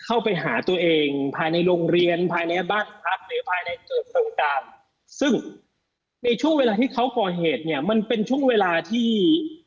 เข้าไปหาตัวเองภายในโรงเรียนภายในบ้านพักหรือภายในเกิดโครงการซึ่งในช่วงเวลาที่เขาก่อเหตุเนี่ยมันเป็นช่วงเวลาที่